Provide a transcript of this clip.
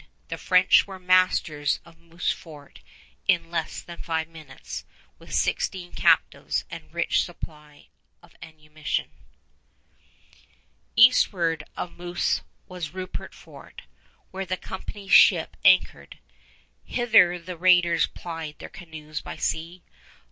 The French were masters of Moose Fort in less than five minutes, with sixteen captives and rich supply of ammunition. [Illustration: LE MOYNE D'IBERVILLE] Eastward of Moose was Rupert Fort, where the company's ship anchored. Hither the raiders plied their canoes by sea.